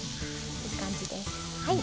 いい感じです。